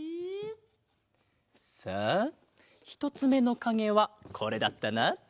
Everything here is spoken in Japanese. さあひとつめのかげはこれだったな。